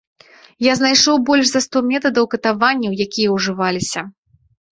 Я знайшоў больш за сто метадаў катаванняў, якія ўжываліся.